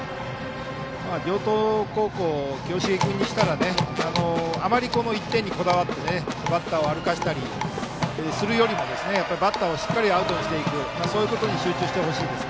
城東高校、清重君にしたらあまりこの１点にこだわってバッターを歩かせたりするよりもやっぱりバッターをしっかりアウトにしていくそういうことに集中してほしいです。